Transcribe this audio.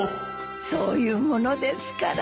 そう言うものですから。